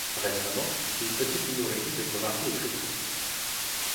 Récemment une petite minorité s’est convertie au christianisme.